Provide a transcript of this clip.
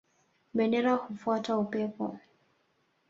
Bendera hufuata upepo